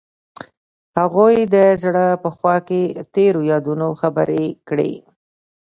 هغوی د زړه په خوا کې تیرو یادونو خبرې کړې.